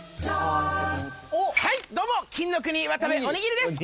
はいどうも金の国渡部おにぎりです。